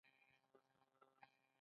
د بامیانو بتان تاریخي ارزښت لري.